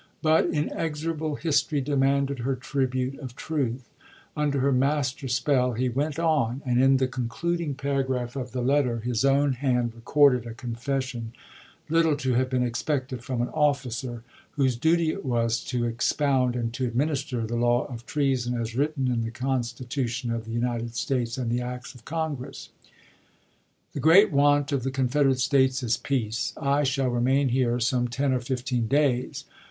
But inexorable History demanded her tribute of truth : under her master spell he went on, and in the concluding paragraph of the letter his own hand recorded a confession little to have been expected from an officer whose duty it was to expound and to ad minister the law of treason as written in the Con stitution of the United States and the acts of Congress. The great want of the Confederate States is peace. I shall remain here some ten or fifteen days.